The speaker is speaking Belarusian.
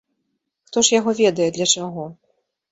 Хто ж яго ведае, для чаго.